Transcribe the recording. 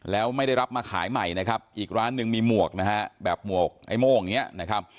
แล้วไม่ได้รับมาขายใหม่นะครับอีกร้านหนึ่งมีหมวกนะฮะแบบหมวกไอ้โม่งอย่างนี้นะครับ